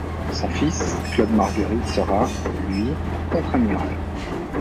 Son fils, Claude-Marguerite sera, lui, contre-amiral.